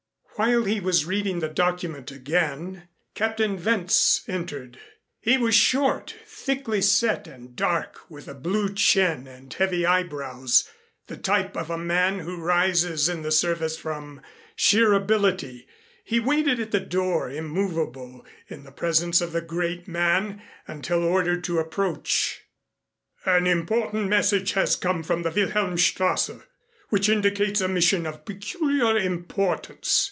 While he was reading the document again Captain Wentz entered. He was short, thickly set and dark with a blue chin and heavy eyebrows, the type of a man who rises in the service from sheer ability. He waited at the door, immovable, in the presence of the great man until ordered to approach. "An important message has come from the Wilhelmstrasse, which indicates a mission of peculiar importance."